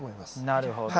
なるほど。